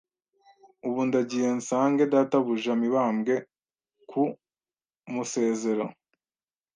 Ubu ndagiye nsange databuja Mibambwe ku musezero